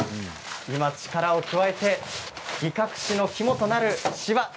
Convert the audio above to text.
力を加えて擬革紙の肝となるしわ